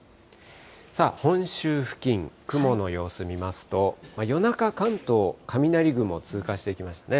さあ、本州付近、雲の様子を見ますと、夜中、関東、雷雲通過していきましたね。